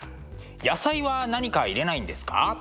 野菜は何か入れないんですか？